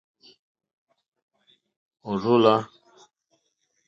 Ò rzô lá.